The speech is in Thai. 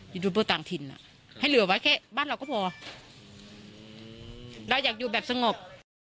ยูทูปเบอร์ต่างถิ่นให้เหลือไว้แค่บ้านเราก็พอเราอยากอยู่แบบสงบ